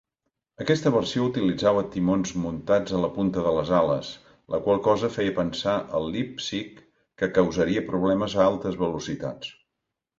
Aquesta versió utilitzava timons muntats a la punta de les ales, la qual cosa feia pensar a Lippisch que causaria problemes a altes velocitats.